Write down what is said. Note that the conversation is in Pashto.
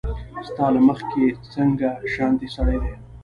ستا له مخې څنګه شانتې سړی دی